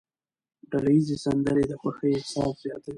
ډلهییزې سندرې د خوښۍ احساس زیاتوي.